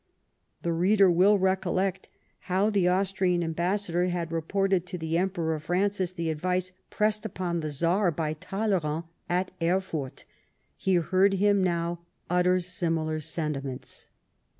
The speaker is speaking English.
The reader will recollect how the Austrian ambassador had 40 LIFE OF PRINCE METTERNICE. reported to the Emperor Francis the advice pressed upon the Czar by Talleyrand at Erfurt ; he heard him now utter similar sentiments.